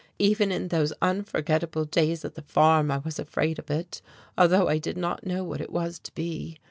Even in those unforgettable days at the farm I was afraid of it, although I did not know what it was to be.